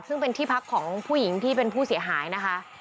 ซึ่งเป็นที่พักของผู้หญิงที่เป็นผู้เสียหายนะคะ